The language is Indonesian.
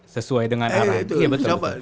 sesuai dengan arah